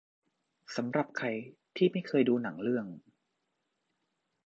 สำหรับใครที่ไม่เคยดูหนังเรื่อง